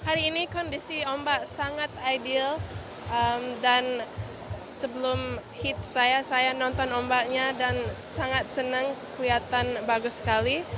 hari ini kondisi ombak sangat ideal dan sebelum hit saya saya nonton ombaknya dan sangat senang kelihatan bagus sekali